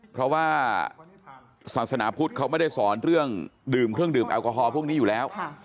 เพราะว่าศาสนาพุทธเขาไม่ได้สอนเรื่องดื่มเครื่องดื่มแอลกอฮอลพวกนี้อยู่แล้ว